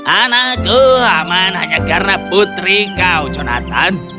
anakku aman hanya karena putri kau jonathan